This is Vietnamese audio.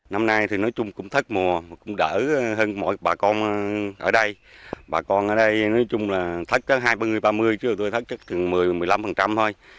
năm nay thì nói chung cũng thất mùa cũng đỡ hơn mọi bà con ở đây bà con ở đây nói chung là thất hai ba người ba mươi chứ tôi thất chừng một mươi một mươi năm thôi